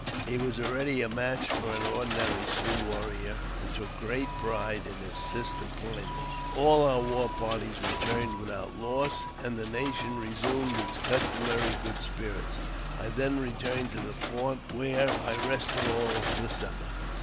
He was already a match for an ordinary Sioux warrior, and took great pride in his sister Pine Leaf. All our war parties returned without loss, and the nation re sumed its customary good spirits. I then returned to the fort, where I rested all the summer.